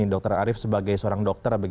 dr arief sebagai seorang dokter